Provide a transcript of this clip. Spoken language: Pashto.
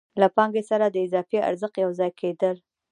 له پانګې سره د اضافي ارزښت یو ځای کېدل